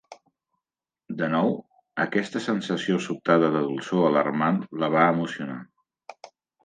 De nou, aquesta sensació sobtada de dolçor alarmant la va emocionar.